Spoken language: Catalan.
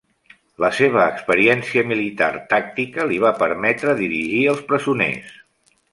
La seva experiència militar tàctica li va permetre dirigir els presoners.